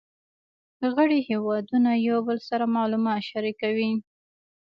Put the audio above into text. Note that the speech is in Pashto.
غړي هیوادونه یو بل سره معلومات شریکوي